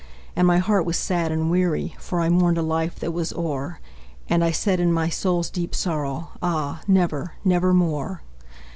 And my heart was sad and weary, For I mourned a life that was o'er, And I said, in my soul's deep sorrow, "Ah! never, nevermore!"